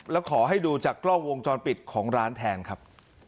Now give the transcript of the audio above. แล้วขอให้ดูจากกล้องวงจรปิดของร้านแทนครับ